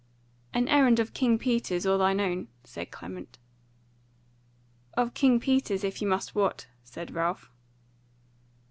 "An errand of King Peter's or thine own?" said Clement. "Of King Peter's, if ye must wot," said Ralph.